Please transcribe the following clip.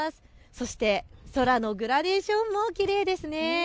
そして空のグラデーションもきれいですね。